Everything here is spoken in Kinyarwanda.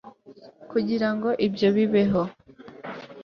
kugirango ibyo bibeho